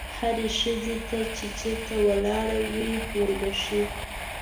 هرې ښځې ته چې چېرته ولاړه وي وربښې.